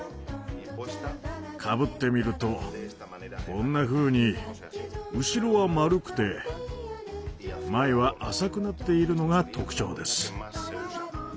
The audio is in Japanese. かぶってみるとこんなふうに後ろは丸くて前は浅くなっているのが特徴です。